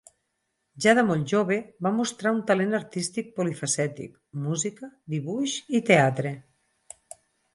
Ja de molt jove va mostrar un talent artístic polifacètic: música, dibuix i teatre.